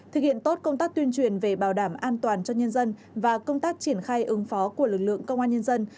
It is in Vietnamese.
thực hiện tốt công tác tuyên truyền về bảo đảm an toàn cho nhân dân và công tác triển khai ứng phó của lực lượng công an nhân dân